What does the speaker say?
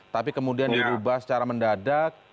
tapi kemudian dirubah secara mendadak